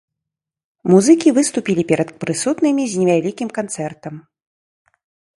Музыкі выступілі перад прысутнымі з невялікім канцэртам.